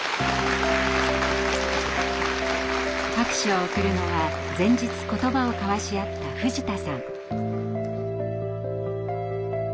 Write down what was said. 拍手を送るのは前日言葉を交わし合った藤田さん。